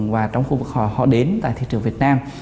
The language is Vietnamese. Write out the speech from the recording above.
và trong khu vực họ họ đến tại thị trường việt nam